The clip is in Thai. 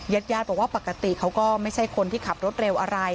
ญาติญาติบอกว่าปกติเขาก็ไม่ใช่คนที่ขับรถเร็วอะไร